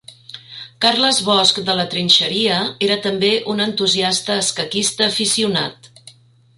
Carles Bosch de la Trinxeria era també un entusiasta escaquista aficionat.